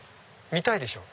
見たいでしょ？